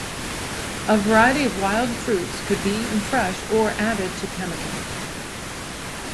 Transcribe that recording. A variety of wild fruits could be eaten fresh or added to pemmican.